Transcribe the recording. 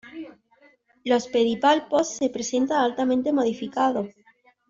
Los pedipalpos se presentan altamente modificados.